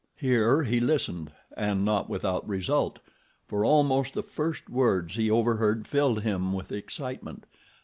Here he listened, and not without result, for almost the first words he overheard filled him with excitement.